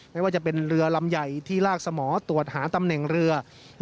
ไม่ว่าจะเป็นเรือลำใหญ่ที่ลากสมอตรวจหาตำแหน่งเรือ